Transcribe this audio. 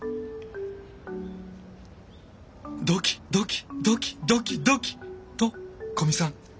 ドキドキドキドキドキと古見さん。